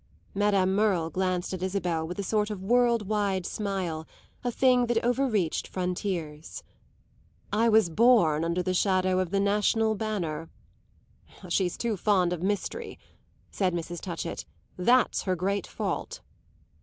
Madame Merle glanced at Isabel with a sort of world wide smile, a thing that over reached frontiers. "I was born under the shadow of the national banner." "She's too fond of mystery," said Mrs. Touchett; "that's her great fault."